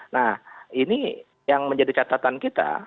nah ini yang menjadi catatan kita